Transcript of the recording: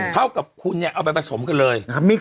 เท่ากับคุณเนี่ยเอาไปผสมกันเลย